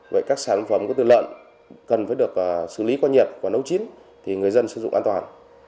vậy các sản phẩm của từ lợn cần phải được xử lý qua nhiệt và nấu chín thì người dân sử dụng an toàn